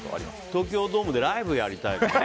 東京ドームでライブやりたいね。